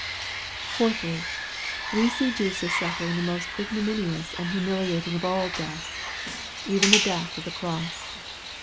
Fourthly, we see Jesus suffering the most ignominious and humiliating of all deaths, even the death of the cross.